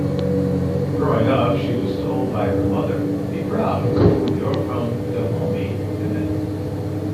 Growing up she was told by her mother, Be proud, you're from Dahomey women!